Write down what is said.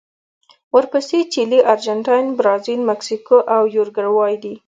ورپسې چیلي، ارجنټاین، برازیل، مکسیکو او یوروګوای دي.